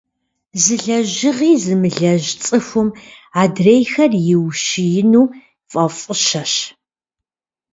Зы лэжьыгъи зымылэжь цӀыхум адрейхэр иущиину фӀэфӀыщэщ.